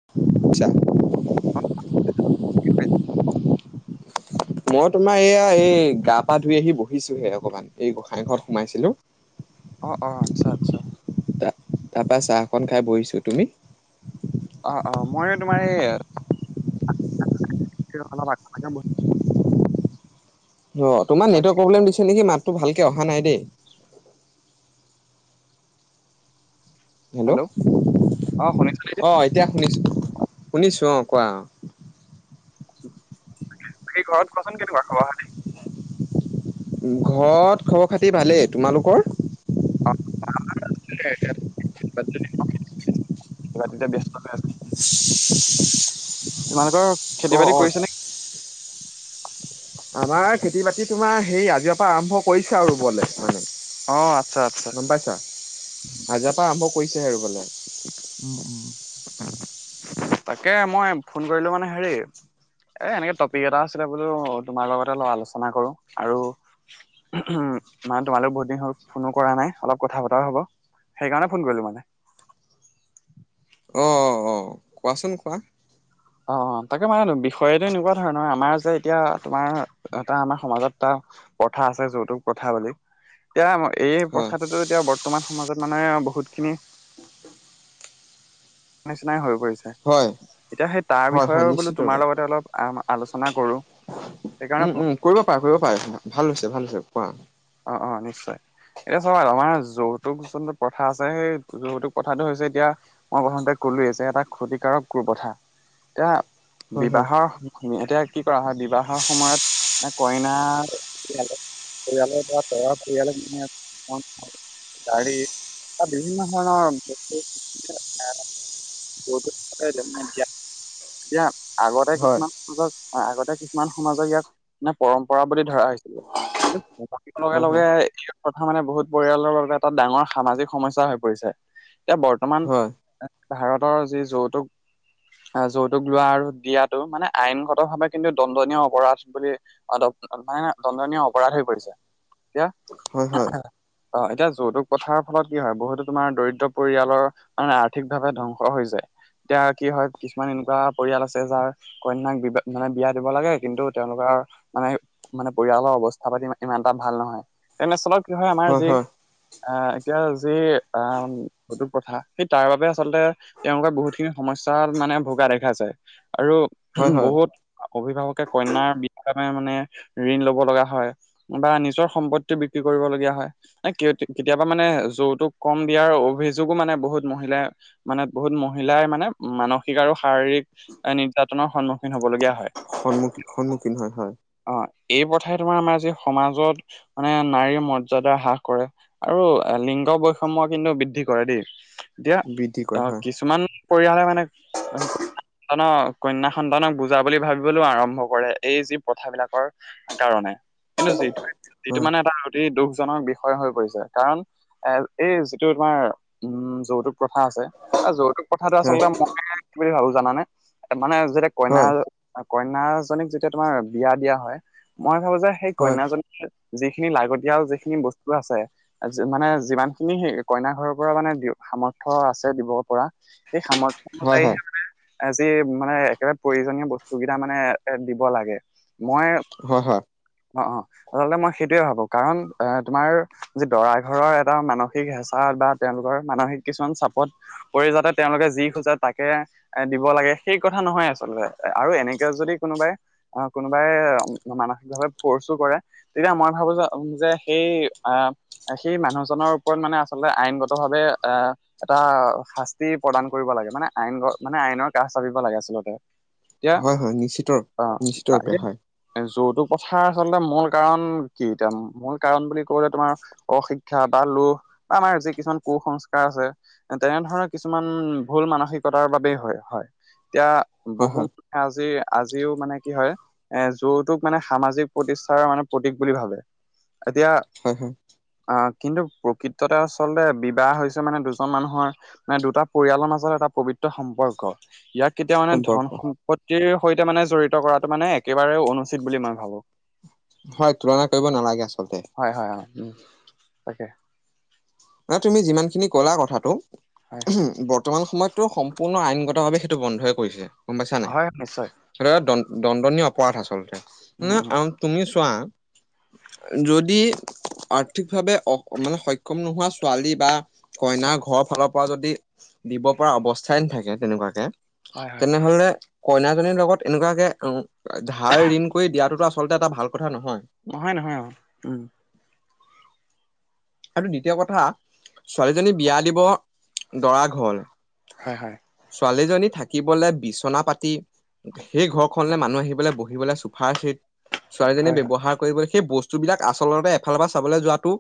[unintelligible] [unintelligible] মই তোমাৰ এইয়া এই গা পা ধুই আহি বহিছোহে অকমান। এই গোঁসাই ঘৰত সোমাইছিলো। অ অ আচ্ছা আচ্ছা। ত তাৰপা চাহখন খাই বহিছো, তুমি? অ-অ মই তোমাৰ এই [inaudible] অল অ তোমাৰ বাকী নেটৱৰ্ক প্ৰব্লেম দিছে নেকি মাতটো ভালকে অহা ন দেই। হেল্ল' অ শুনিছো অঁ এতিয়া শুনিছোঁ-শুনিছোঁ অঁ কোৱা। বাকী ঘৰত কোৱাচোন কেনেকুৱা খবৰ খাটি? ঘৰত খবৰ খাতি ভালেই, তোমালোকৰ? অ [unintelligible] ব তেতিয়া ব্যস্ত হৈ আছা [unintelligible] [inaudible] তোমালোকৰ খেতি বাতি অ-অ। কৰিছে নে আমাৰ খেতি বাতি তোমাৰ সেই আজি অপা আৰম্ভ কৰিছে আও ৰুবলে মানে, অ আচ্ছা আচ্ছা গম পাইছা? আজি অ পা আৰম্ভ কৰিছেহে ৰুবলে। উম-উম তাকে মই ফোন কৰিলো মানে হেৰি এ এনেকে টপিক এটা আছিলে বোলো তোমাৰ লগতে অলপ আলোচনা কৰো, আৰু [unintelligible] মানে, তোমালেও বহুত দিন হ'ল ফোনো কৰা নাই। অলপ কথা পতাও হ'ব। সেইকাৰণে, ফোন কৰিলোঁ মানে। অ' অ' অ'! কোৱাচোন, কোৱা? অ' অ'! তাকে মানে, বিষয়টো এনেকুৱা ধৰণৰ, আমাৰ যে, এতিয়া তোমাৰ, এটা আমাৰ সমাজত এটা প্ৰথা আছে যৌতুক প্ৰথা বুলি, এতিয়া এই হয় প্ৰথাটোতো এতিয়া বৰ্তমান সমাজত মানে বহুতখিনি নিচিনাই হৈ পৰিছে, হয়। এতিয়া সেই তাৰ হয় হয় বিষয়ে বোলো তোমাৰ নিশ্চিতভাৱে লগতে অলপ আ আলোচনা কৰো। সেইকাৰণে উ-উ কৰিব পাৰা কৰিব পাৰা ভাল হৈছে ভাল হৈছে কোৱা। অ'! অ'! নিশ্চয়। এতিয়া চবা! আমাৰ যৌতুক যোনটো প্ৰথা আছে। সেই, যৌতুক প্ৰথাটো হৈছে, এতিয়া মই প্ৰথমতে, ক'লোৱেই যে, এটা ক্ষতিকাৰক কু- প্ৰথা। এতিয়া, হয় বিবাহৰ এতিয়া, কি কৰা হয়? বিবাহৰ সময়ত, কইনা, পৰিয়াল- পৰিয়ালত ইয়াত, দৰা পৰিয়ালক মানে, [unintelligible] গাড়ী বা বিভিন্ন ধৰণৰ বস্তু [unintelligible] [unintelligible] এতিয়া, এতিয়া আগতে হয় কিছুমান [unintelligible] আগতে, কিছুমান সমাজক, ইয়াক মানেস, পৰম্পৰা বুলি ধৰা হৈছিল। কিন্তু, লগে- হয় লগে [unintelligible] কথা মানে, বহুত পৰিয়ালৰ বাবে, এটা ডাঙৰ সামাজিক সমস্যা হৈ পৰিছে। এতিয়া, বৰ্তমান হয় ভাৰতৰ, যি যৌতুক যৌতুক লোৱা আৰু দিয়াতটো, মানে, আইনগত ভাৱে, কিন্তু, দণ্ডনীয় অপৰাধ বুলি [unintelligible] দণ্ডনীয় অপৰাধ হৈ পৰিছে। এতিয়া, হয় হয় অ'! এতিয়া, যৌতুক প্ৰথাৰ ফলত কি হয়! বহুতো তোমাৰ, দৰিদ্ৰ পৰিয়ালৰ মানে, আৰ্থিক ভাৱে ধ্বংস হৈ যায়। এতিয়া, কি হয়! কিছুমান এনেকুৱা পৰিয়াল আছে, যাৰ কন্যাক বিবাহ, মানে, বিয়া দিব লাগে। কিন্তু, তেওঁলোকৰ মানে, মানে, পৰিয়ালৰ অৱস্থা পাতি ইমান বা ভাল নহয়। তেনে স্থলত কি হয়! আমাৰ যি আঁ এতিয়া যি, আঁ সেইটো প্ৰথা, সেই, তাৰবাবে আচলতে তেওঁলোকে বহুত খিনি সমস্যা মানে, ভোগা দেখা যায়। আৰু হয় হয় বহুত অভিভাৱকে, কন্যাৰ বিবাহৰ বাবে মানে, ঋণ ল'ব লগা হয়। বা নিজৰ সম্পত্তি বিক্ৰী কৰিবলগীয়া হয়। কেতিয়াবা মানে, যৌতুক কম দিয়াৰ অভিযোগো মানে, বহুত মহিলাই মানে, বহুত মহিলাই মানে, মানসিক আৰু শাৰীৰিক এ, নিৰ্যাতনৰ সন্মুখীন হ'বলগীয়া হয়। সন্মুখ সন্মুখীন হয়। হয়! অ'! এই, প্ৰথাই তোমাৰ, আমাৰ যি, সমাজত মানে, নাৰীৰ মৰ্যাদা হ্ৰাস কৰে। আৰু লিংগ বৈষম্য কিন্তু, বৃদ্ধি কৰে দেই। এতিয়া, বৃদ্ধি কৰে হয় কিছুমান পৰিয়ালে মানে, সন্তানক, কন্যা সন্তানক বুজা বুলি ভাবিবলৈও আৰম্ভ কৰে। এই যি প্ৰথাবিলাকৰ কাৰণে। কিন্তু, যিটো- যিটো হয় মানে, এটা অতি দুখজনক বিষয় হৈ পৰিছে। কাৰণ, এ, এই যিটো তোমাৰ, উম! যৌতুক প্ৰথা আছে। এ, যৌতুক কথাটো হয় আচলতে, মই, কি বুলি ভাবোঁ জানেনে? মানে, যেতিয়া কইনা হয় কইনাজনীক যেতিয়া, তোমাৰ বিয়া দিয়া হয়। মই ভাবোঁ যে, সেই হয় কইনাজনীক যিখিনি লাগতিয়াল, যিখিনি বস্তু আছে। মানে, যিমান খিনি, সেই কইনা ঘৰৰ পৰা মানে, সামৰ্থ্য আছে দিব পৰা। সেই, সামৰ্থ্য হয় অনুযায়ীহে হয় মানে যি মানে, একেবাৰে প্ৰয়োজনীয় বস্তুকেইটা মানে, এ, দিব লাগে। মই হয়, হা! অ' অ'! আচলতে, মই সেইটোৱে ভাবোঁ! কাৰণ, এ, তোমাৰ যি, দৰা ঘৰৰ এটা মানসিক হেঁচা বা তেওঁলোকৰ মানসিক কিছুমান চাপত, পৰি যাতে, তেওঁলোকে যি খোজে, তাকে এ, দিব লাগে! সেই কথা নহয়, আচলতে আৰু এনেকে, যদি কোনোবাই অ'! কোনোবাই মানসিকভাৱে ফ'ৰ্চো কৰে। তেতিয়া আমাৰ ভাবো যে সেই আহ সেই মানুহজনৰ ওপৰত মানে আচলতে আইনগত ভাৱে আ এটা শাস্তি প্ৰদান কৰিব লাগে মানে আইন মানে আইনৰ কাষ চাপিব লাগে আচলতে। এতিয়া, হয় হয় নিশ্চিত অ'! নিশ্চিত অ'! ৰূপে এতিয়া হয় যৌতুক কথাৰ আচলতে, মূল কাৰণ কি এতিয়া? মূল কাৰণ, বুলি ক'বলে- তোমাৰ অশিক্ষা বা লো বা আমাৰ যি কিছুমান কুসংস্কাৰ আছে। তেনেধৰণৰ কিছুমান ভুল মানসিকতাৰ বাবেই হয় হয় এতিয়া হয় বহু হয় আজি আজিও মানে কি হয় এ যৌতোক মানে সামাজিক প্ৰতিষ্ঠাৰ মানে প্ৰতীক বুলি ভাবে এতিয়া হয় হয় আ কিন্তু প্ৰকৃততে আচলতে বিবাহ হৈছে মানে দুজন মানুহৰ মানে দুটা পৰিয়ালৰ মাজত এটা পবিত্ৰ সম্পৰ্ক ইয়াত কেতিয়া মানে সম্পৰ্ক ধন সম্পত্তিৰ সৈতে মানে জড়িত কৰাটো মানে একেবাৰে অনুচিত বুলি মই ভাবো। হয় তুলনা কৰিব নালাগে আচলতে। হয়, হয়-হয় উম তাকে। নহয় তুমি যিমানখিনি কলা কথাটো হয়। বৰ্তমান সময়তো সম্পূৰ্ণ আইনগতভাৱে সেইটো বন্ধই কৰিছে গম পাইছা নাই। হয় নিশ্চয় [unintelligible] দণ্ডনীয় অপৰাধ আচলতে ন উম উম তুমি চোৱা যদি আৰ্থিকভাৱে অ' মানে সক্ষম নোহোৱা ছোৱালী বা কইনাৰ ঘৰৰ ফালৰ পৰা যদি দিব পৰা অৱস্থাই নথাকে তেনেকুৱাকে। হয় হয় তেনেহলে কইনাজনীৰ লগত এনেকুৱাকে ধাৰ ঋণ কৰি দিয়াটো আছ আছলতে এটা ভাল কথা নহয়। নহয়-নহয় উম আৰু দ্বিতীয় কথা ছোৱালীজনী বিয়া দিব দৰা ঘৰলে। হয় হয়। ছোৱালীজনী থাকিবলে বিচনা পাতি। সেই ঘৰখনলৈ মানুহ আহিবলৈ বহিবলে চোফাৰ চেট। ছোৱালীজনীয়ে হয় হয় ব্যৱহাৰ কৰিব সেই বস্তুবিলাক আচলতে এফালৰ পৰা চাবলৈ যোৱাটো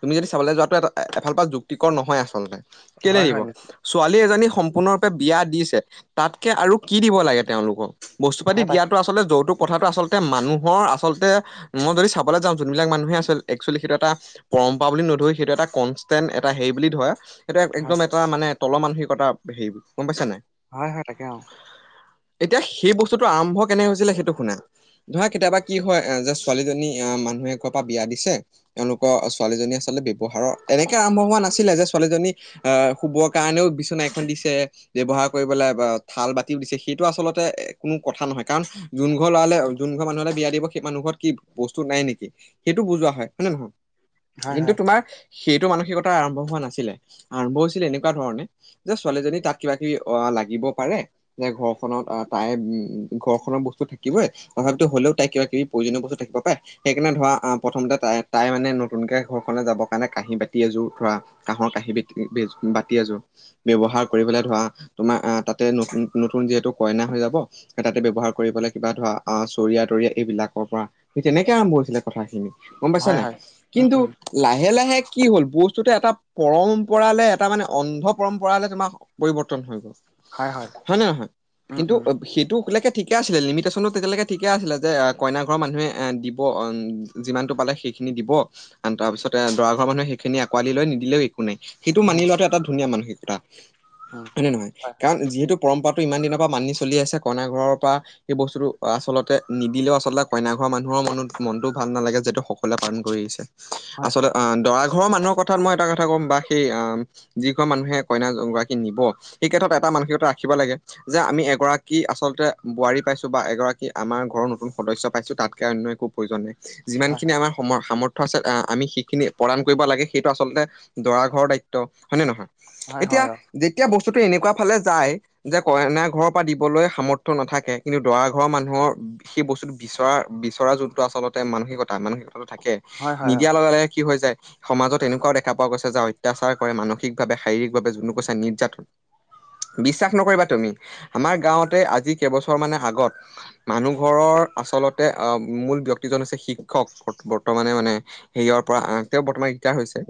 তুমি যদি চাবলৈ যোৱাটো এটা এফালপ যুক্তিকৰ নহয় আচলতে কেলে হয় দিব হয় নিশ্চয় ছোৱালী এজনী সম্পূৰ্ণৰূপে বিয়া দিছে তাতকে আৰু কি দিব লাগে তেওঁলোকক। বস্তু পাতি হয় তাক দিয়াতটো আচলতে যৌতুক কথাটো আচলতে মানুহৰ আচলতে মই যদি চাবলৈ যাম যোনবিলাক মানুহে আছিল একচুৱেলি সেইটো এটা পৰম্পৰা বুলি নধৰি সেইটো এটা কনষ্টেণ্ট এটা হেৰি বুলি ধৰে সেইটো হয় একদম এটা মানে তলৰ মানসিকতা হেৰি গম পাইছা নাই। হয়-হয় তাকে অ। এতিয়া সেই বস্তুটো আৰম্ভ কেনে হৈছিলে সেইটো শুনা। ধৰা কেতিয়াবা কি হয় এ যে ছোৱালীজনী আ মানুহে ক পৰা বিয়া দিছে এওলোক অ', ছোৱালীজনী আচলতে ব্যৱহাৰৰ তেনেকে আৰম্ভ হোৱা নাছিলে যে ছোৱালীজনী আ, শুবৰ কাৰণেও বিচনা এখন দিছে। ব্যৱহাৰ কৰিবলে বা থাল বাতিও দিছে সেইটো আচলতে কোনো কথা নহয় কাৰণ যোন ঘৰ ল'ৰালে যোন ঘৰ মানুহলে বিয়া দিব সেই মানুহ ঘৰত কি বস্তু নাই নেকি। সেইটো বুজোৱা হয়, হয় নে নহয়। হয় কিন্তু হয় তোমাৰ সেইটো মানসিকতা আৰম্ভ হোৱা নাছিলে আৰম্ভ হৈছিলে এনেকুৱা ধৰণে যে ছোৱালীজনী তাত কিবা কিবি অ' লাগিব পাৰে। যে ঘৰখনত আহ তাইৰ উম ঘৰ খনৰ বস্তু থাকিবই। প্ৰভাৱিত হলেও তাই কিবা কিবি প্ৰয়োজনীয় বস্তু থাকিব পাৰে সেইকাৰণে ধৰা আ প্ৰথমতে তাই-তাই মানে মানে নতুনকে ঘৰ খনে যাবৰ কাৰণে কাঁহী বাতি এযোৰ ধৰা কাঁহৰ কাঁহী বাতি এযোৰ। ব্যৱহাৰ কৰিবলৈ ধৰা তোমাৰ আ তাতে নতুন যিহেতু কইনা হৈ যাব। তাতে ব্যৱহাৰ কৰি বলৈ কিবা ধৰা আ চৰিয়া তৰিয়া এইবিলাকৰ পৰা সেই তেনেকে আৰম্ভ হৈছিলে কথাখিনি। গম পাইছা হয় নাই? হয় উম কিন্তু উম লাহে লাহে কি হ'ল বস্তুটো এটা পৰম্পৰালে এটা মানে অন্ধ পৰম্পৰালে তোমাৰ পৰিৱৰ্তন হৈ গ'ল। হয় নে নহয়? উম কিন্তু উম সেইটোলেকে ঠিকে আছিলে লিমিটেচনত তেতিয়ালৈকে ঠিকে আছিলে যে কইনা ঘৰৰ মানুহে এ দিব অম যিমানটো পালে সেইখিনি দিব তাৰ পিছতে দৰা ঘৰ মানুহে সেইখিনি আঁকোৱালি লয় নিদিলেও একো নাই। সেইটো মানি হয় লোৱাটো এটা ধুনীয়া মানসিকতা উম হয়নে নহয় কাৰণ যিহেতু পৰম্পৰাটো ইমান দিনৰ পৰা মানি চলি আছে কইনা ঘৰৰ পৰা। সেই বস্তুটো আচলতে নিদিলেও আচলতে কইনা ঘৰ মানুহৰ মনত মনটো ভাল নালাগে যিহেতু সকলোৱে পালন কৰি আহিছে। হয় আচলতে হয় অ দৰা ঘৰৰ মানুহৰ কথাত মই এটা কথা কম বা সেই আম যি ঘৰ মানুহে কইনা গৰাকীক নিব সেই ক্ষেত্ৰত এটা মানসিকতা ৰাখিব লাগে। যে আমি এগৰাকী আচলতে বোৱাৰী পাইছোঁ বা এগৰাকী আমাৰ ঘৰৰ নতুন সদস্য পাইছোঁ তাত কে আন একো প্ৰয়োজন নাই। যিমান উম খিনি আমাৰ সম সামৰ্থ্য আছে আহ আমি সেইখিনি প্ৰদান কৰিব লাগে। সেইটো আচলতে দৰা ঘৰৰ দায়িত্ব হয় নে নহয়? হয় হয় হয় হয় এতিয়া হয় হয় অ যেতিয়া বস্তুটো এনেকুৱা ফালে যায়। যে কইনা ঘৰৰ পৰা দিবলৈ সামৰ্থ্য নাথাকে কিন্তু দৰা ঘৰৰ মানুহৰ সেই বস্তুটো বিচৰাৰ বিচৰা যোনটো আচলতে মানসিকতা মানসিক কতাটো থাকে। হয় হয় অ নিদিয়াৰ লগে লগে কি হৈ যায় সমাজত এনেকুৱাও দেখা পোৱা গৈছে যে অত্যাচাৰ কৰে মানসিকভাৱে শাৰীৰিকভাৱে যোনটো কৈছে নিৰ্যাতন বিশ্বাস নকৰিবা তুমি আমাৰ গাঁৱতে আজি কেইবছৰ মানৰ আগত মানুহ ঘৰৰ আচলতে অহ মূল ব্যক্তিজন হৈছে শি বৰ্তমানে মানে হেৰীয়ৰ পৰা আ তেওঁ বৰ্তমান ৰিটাই হৈছে।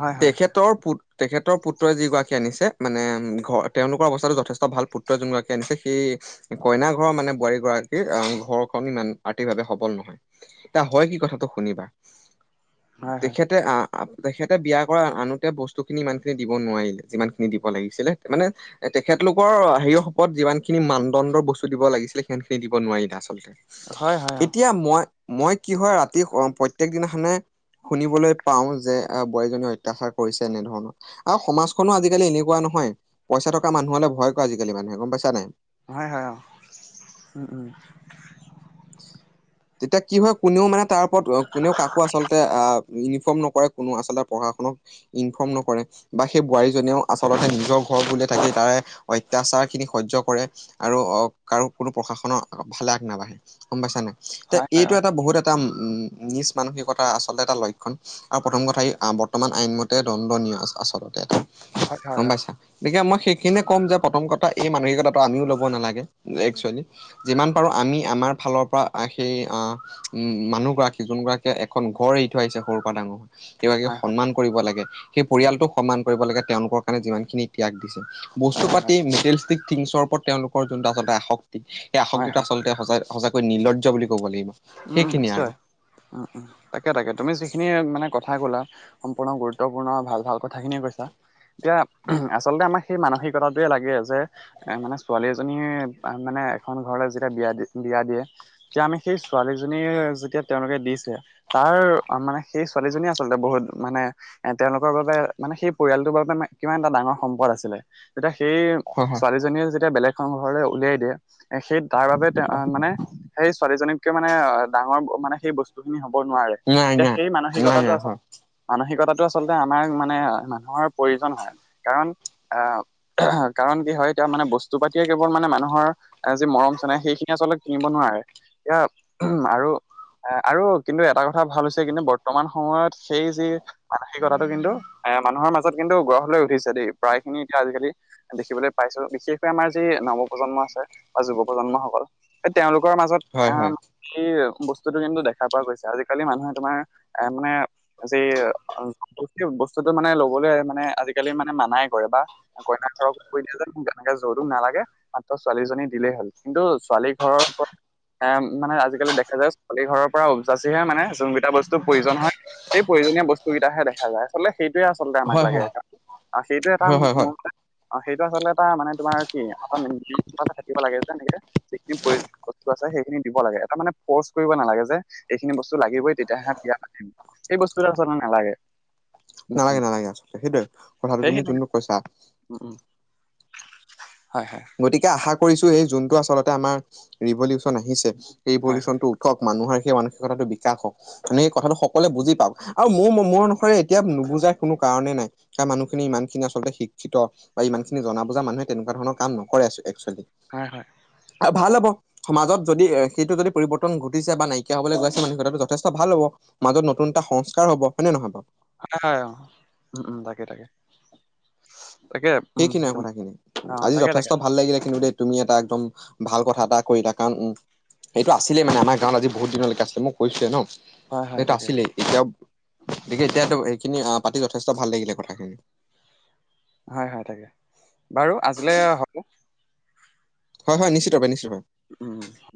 হয় হয় তেখেতৰ পুত্ৰ তেখেতৰ পুত্ৰই যিগৰাকী আনিছে মানে ঘৰ তেওঁলোকৰ অৱস্থাতো যথেষ্ট ভাল পুত্ৰই যোন গৰাকী আনিছে সেই কইনা ঘৰৰ মানে বোৱাৰী গৰাকীৰ আ ঘৰখন ইমান আৰ্থিকভাৱে সবল নহয়। এতিয়া হয় কি কথাটো শুনিবা, হয় হয় হয় হয় তেখেতে আহ আ তেখেতে বিয়া কৰায় আনোতে বস্তুখিনি ইমানখিনি দিব নোৱাৰিলে। যিমানখিনি দিব লাগিছিলে মানে এ তেখেতলোকৰ হেৰী সপত যিমান খিনি মানদণ্ডৰ বস্তু দিব লাগিছিলে সিমান খিনি দিব নোৱাৰিলে আচলতে অ হয় এতিয়া মই মই কি হয় ৰাতি অ প্ৰত্যেক দিনাখনে শুনিবলৈ পাওঁ যে আ বোৱাৰীজনীক অত্যাচাৰ কৰিছে এনেধৰণৰ আৰু সমাজখনো আজিকালি এনেকুৱা নহয় পইছা থকা মানুহলে ভয় কৰে আজিকালি মানুহে গম পাইছা নাই? হয় হয় অহ, উম উম। [unintelligible] তেতিয়া কি হয় কোনেও মানে তাৰ ওপৰত অ কোনেও কাকো আচলতে আ ইউনিফৰ্ম নকৰে কোনে আচলতে পঢ়া শুনক ইনফৰ্ম নকৰে। বা সেই বোৱাৰীজনিয়েও আচলতে নিজৰ ঘৰ বুলি থাকি তাৰে অত্যাচাৰ খিনি সহ্য কৰে। আৰু অহ কাৰো কোনো প্ৰশাসনৰ ফালে আগ নাবাঢ়ে। গম পাইছা নাই? তে হয় হয় এইটো অ এটা বহুত এ এটা উম নিচ মানসিকতা আচলতে এটা লক্ষণ আৰু প্ৰথম কথা এই আ বৰ্তমান আইন মতে দণ্ডনীয় আ আচলতে এটা, হয় হয় গম অ পাইছা গতিকে মই সেইখিনিয়ে ক'ম যে প্ৰথম কথা এই মানসিকতাটো আমিও ল'ব নালাগে একচুৱেলি যিমান পাৰোঁ আমি আমাৰ ফালৰ পৰা আহ সেই অহ উম মানুহ গৰাকী যোন গৰাকীয়ে এখন ঘৰ এৰি থৈ আহিছে সৰু পৰা ডাঙৰ হোৱা। সেই গৰাকীক হয় হয় সন্মান কৰিব লাগে। সেই উম পৰিয়ালটোক সন্মান কৰিব লাগে তেওঁলোকৰ কাৰণে যিমান খিনি ত্যাগ দিছে। বস্তু হয় হয় পাতি মেটেলষ্টিক থিংছৰ ওপৰত তেওঁলোকৰ যোনটো আচলতে আসক্তি সেই হয় আসক্তিটো হয় আচলতে সঁচাই সঁচাকৈ নীলৰ্জ্জ বুলি ক'ব লাগিব। উম উম সেইখিনিয়ে আৰু নিশ্চয়। উম উম তাকে তাকে তুমি যিখিনি মানে কথা ক'লা সম্পূৰ্ণ গুৰুত্বপুৰ্ণ ভাল ভাল কথাখিনিয়ে কৈছা। এতিয়া উমহ আচলতে আমাৰ সেই মানসিকতাটোৱে লাগে যে এ মানে ছোৱালী এজনীয়ে মানে এখন ঘৰলৈ যেতিয়া বিয়া দি বিয়া দিয়ে তেতিয়া আমি সেই ছো ছোৱালীজনী যেতিয়া তেওঁলোকে দিছে তাৰ অ মানে সেই ছোৱালীজনীয়ে আচলতে বহুত মানে এ তেওঁলোকৰ বাবে মানে সেই পৰিয়ালটোৰ বাবে মা কিমান এটা ডাঙৰ সম্পদ আছিলে। তেতিয়া সেই হয় হয় ছোৱালীজনীয়ে যেতিয়া বেলেগ এখন ঘৰলৈ উলিয়াই দিয়ে। এ সেই তাৰ বাবেই তেওঁ হয় মানে সেই ছোৱালীজনীক মানে ডাঙৰ মানে সেই বস্তু খিনি হ'ব নোৱাৰে নাই এতিয়া নাই সেই নাই মানসিকতাটো নাই আচলতে হয় মানসিকতাটো আচলতে আমাৰ মানে মানুহৰ প্ৰয়োজন হয় কাৰণ আহ কাৰণ কি হয় এতিয়া মানে বস্তু পাতিয়ে কেৱল মানে মানুহৰ এ যি মৰম চেনেহ সেইখিনি আচলতে কিনিব নোৱাৰে এয়া উমহ আৰু এ আৰু কিন্তু এটা কথা ভাল হৈছে কিন্তু বৰ্তমান সময়ত সেই যি মানসিকতাটো কিন্তু এ মানুহৰ মাজত কিন্তু গঢ় লৈ উঠিছে দেই প্ৰায় খিনি এতিয়া আজিকালি দেখিবলৈ পাইছোঁ। বিশেষকৈ আমাৰ যি নৱ প্ৰজন্ম আছে বা যুৱ প্ৰজন্ম সকল এই তেওঁলোকৰ মাজত হয় হয় আহ এই বস্তুটো কিন্তু দেখা পোৱা গৈছে আজিকালি মানুহে তোমাৰ এ মানে আজি বস্তুটো মানে লবলৈ মানে আজিকালি মানে মানাই কৰে বা কইনা ঘৰকো কৈ দিয়া যে মোক তেনেকে যৌতুক নালাগে মাত্ৰ ছোৱালীজনী দিলেই হ'ল কিন্তু ছোৱালী ঘৰৰ পৰা এ মানে আজিকালি দেখা যায় ছোৱালী ঘৰৰ পৰা উঠজাচিহে মানে জোনকেইটা বস্তুৰ প্ৰয়োজন হয় সেই প্ৰয়োজনীয় বস্তু কেইটাহে দেখা যায় আচলতে সেইটোৱে আচলতে আমাক হয় হয় লাগে হয় আৰু সেইটো এটা হয় হয় হয়। মোৰ অ সেইটো আচলতে এটা মানে তোমাৰ কি অটা [unintelligible] কিবা থাকিব লাগে যেনেকে যিখিনি প্ৰয়োজনীয় বস্তু আছে সেইখিনি দিব লাগে এটা মানে ফ'ৰ্চ কৰিব নালাগে যে এইখিনি বস্তু লাগিবই তেতিয়াহে বিয়া পাতিম সেই বস্তুটো আচলতে নালাগে উম, উম, নালাগে নালাগে আচলতে সেইটোয়ে কথাটো তুমি যোনটোক কৈছা ওম ওম হয় হয় গতিকে আশা কৰিছো এই যোনটো আচলতে আমাৰ ৰিভলিউচন আহিছে সেই হয়, হয়, ৰিভলিউচনটো হওক মানুহৰ সেই মানসিকতাটো বিকাশ হওক মানে এই কথাটো সকলোৱে বুজি পাওক আৰু মোৰ মোৰ অনুসৰে এতিয়া নুজাই কোনো কাৰণেই নাই সেয়া মানুহখিনি ইমানখিনি আচলতে শিক্ষিত বা ইমান খিনি জনা বুজা মানুহে তেনেকুৱা ধৰণ কাম নকৰে এক্সৱলি হয় হয় আৰু ভাল হ'ব সমাজত যদি সেইটো যদি পৰিৱৰ্তন ঘটিছে বা নাইকিয়া হ'বলৈ গৈ আছে মানসিকতাটো যথেষ্ট ভাল হ'ব মাজত নতুন এটা সংস্কাৰ হ'ব হয়নে নহয় বাৰু হয় নে অ, উম উম তাকে তাকে উম, সেইখিনিয়ে তুম কথা খিনি অ, আজি তাকে, যথেষ্ট তাকে, ভাল লাগিলে কিন্তু দে তুমি এটা একদম ভাল কথা এটা কৰিলা কাৰণ উম সেইটো আছিলে মানে আমাৰ গাঁৱত আজি বহুত দিনলৈকে আছিলে মই কৈইছোৱে ন হয়, হয়, যিহেটো তাকে, আছিলেই এতিয়াও গতিকে এতিয়াও এইখিনি পাতি যথেষ্ট ভাল লাগিলে কথাখিনি হয় হয় তাকে বাৰু আজিলৈ হ'ব হয় হয় নিশ্চিত ভাৱে নিশ্চিত উম